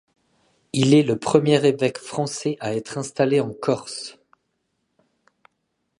Il est le premier évêque français à être installé en Corse.